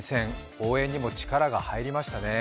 応援にも力が入りましたね。